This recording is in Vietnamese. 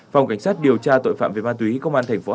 phòng cảnh sát điều tra tội phạm về ma túy công an thành phố hà nội